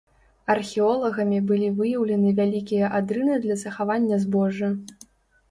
Археолагамі былі выяўлены вялікія адрыны для захавання збожжа.